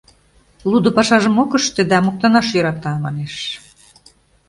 Лудо пашажым ок ыште да моктанаш йӧрата, манеш.